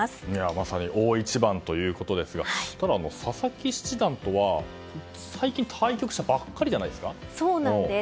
まさに大一番ということですがただ、佐々木七段とは最近、対局したばっかりじゃそうなんです。